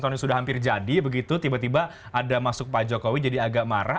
kalau sudah hampir jadi begitu tiba tiba ada masuk pak jokowi jadi agak marah